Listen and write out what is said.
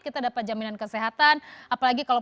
kita dapat jaminan kesehatan apalagi kalau